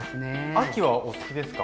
秋はお好きですか？